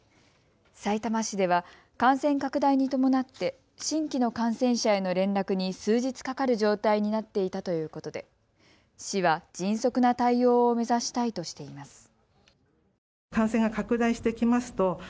さいたま市では感染拡大に伴って新規の感染者への連絡に数日かかる状態になっていたということで市は迅速な対応を目指したいとしています。